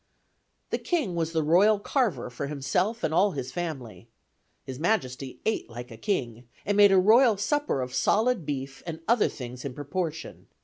... The king was the royal carver for himself and all his family. His majesty ate like a king, and made a royal supper of solid beef, and other things in proportion.